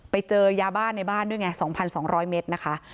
ไปเจอยาบ้านในบ้านด้วยไง๒๒๐๐เมตรนะคะ